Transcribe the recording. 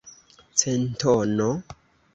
Centono?